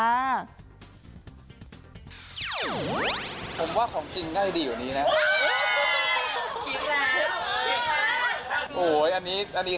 ผมว่าของจริงน่าจะดีกว่านี้นะ